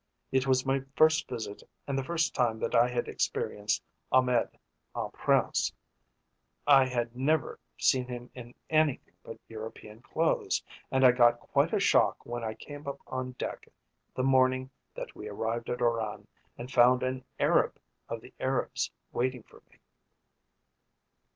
It was my first visit and the first time that I had experienced Ahmed en prince. I had never seen him in anything but European clothes, and I got quite a shock when I came up on deck the morning that we arrived at Oran and found an Arab of the Arabs waiting for me.